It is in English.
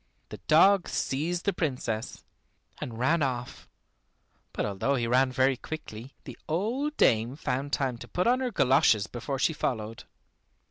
The dog seized the Princess, and ran off; but although he ran very quickly, the old dame found time to put on her goloshes before she followed.